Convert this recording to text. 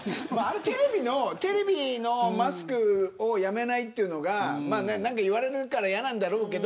テレビのマスクをやめないというのが何か言われるから嫌なんだろうけど。